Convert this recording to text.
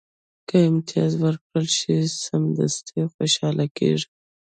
که امتیاز ورکړل شي، سمدستي خوشاله کېږي.